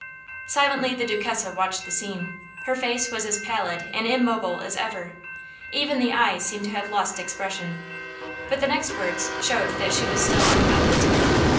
Silently the Duchessa watched the scene. Her face was as pallid and immobile as ever; even the eyes seemed to have lost expression. But the next words showed that she was still unconquered.